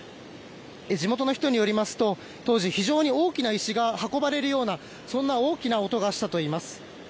地元の人によりますと当時、非常に大きな石が運ばれるようなそんな大きな音がしたといいます。